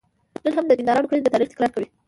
نن هم د دیندارانو کړنې د تاریخ تکرار کوي.